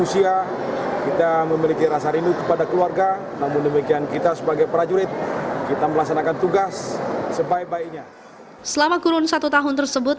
selama kurun satu tahun tersebut